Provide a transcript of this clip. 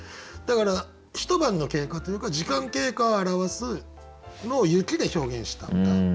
だから一晩の経過というか時間経過を表すのを雪で表現した歌。